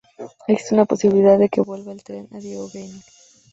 Existe una posibilidad de que vuelva el tren a Diego Gaynor.